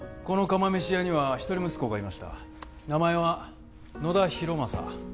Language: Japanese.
この釜飯屋には一人息子がいました名前は野田浩正